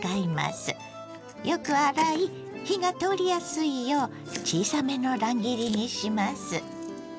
よく洗い火が通りやすいよう小さめの乱切りにします。